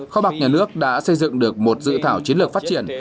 kho bạc nhà nước đã xây dựng được một dự thảo chiến lược phát triển